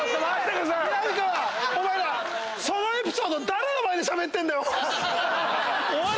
お前そのエピソード誰の前でしゃべってんだよ